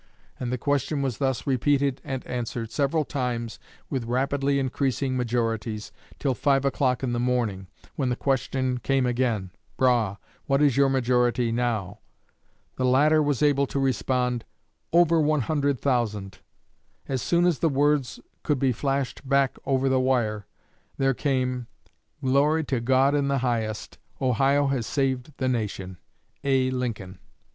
And the question was thus repeated and answered several times, with rapidly increasing majorities, till five o'clock in the morning, when the question came again, "Brough, what is your majority now?" The latter was able to respond, "Over 100,000." As soon as the words could be flashed back over the wire, there came: "Glory to God in the highest. Ohio has saved the Nation. A. Lincoln."